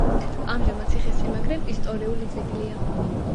ამჟამად ციხესიმაგრე ისტორიული ძეგლია.